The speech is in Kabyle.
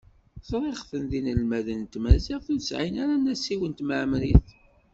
Ẓriɣ-ten d inelmaden n tmaziɣt, ur sɛin ara anasiw n temɛemmrit.